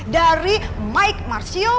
dari mike marsho